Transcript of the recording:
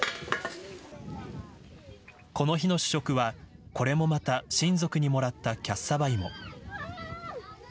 この日の主食はこれもまた親族にもらったキャッサバ芋。